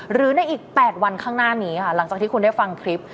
หรือในอีก๘วันข้างหน้านี้ค่ะหลังจากที่คุณได้ฟังคลิป